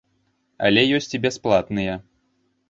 Але ёсць і бясплатныя.